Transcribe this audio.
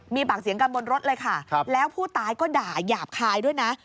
มีปากเสียงกันบนรถเลยค่ะแล้วผู้ตายก็ด่าหยาบคายด้วยนะ